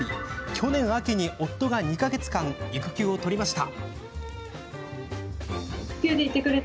去年秋に、夫が２か月間育休を取りました。